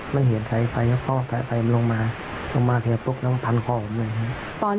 เมื่อกี้เราก็เลยปัดสายไฟออก